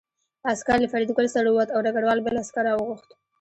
عسکر له فریدګل سره ووت او ډګروال بل عسکر راوغوښت